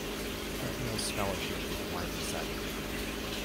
Cracknell's scholarship is widely cited.